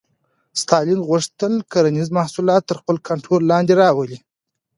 ستالین غوښتل کرنیز محصولات تر خپل کنټرول لاندې راولي